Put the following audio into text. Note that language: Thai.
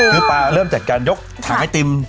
คือปลาเริ่มจากการยกถังไอติม